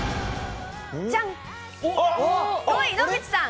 じゃん！